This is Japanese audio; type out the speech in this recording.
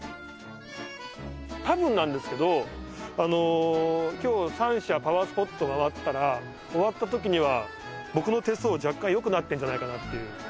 たぶんなんですけど今日３社パワースポット回ったら終わったときには僕の手相若干よくなってるんじゃないかなっていう。